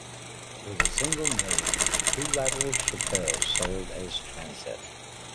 With a single nave, two lateral chapels serve as transept.